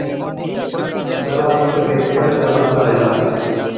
دَروازي پر هيڪ پهريدار اُڀلا هِلا،